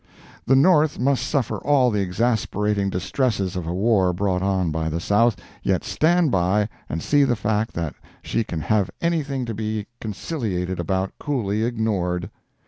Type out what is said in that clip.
The North must suffer all the exasperating distresses of a war brought on by the South, yet stand by and see the fact that she can have anything to be conciliated about coolly ignored!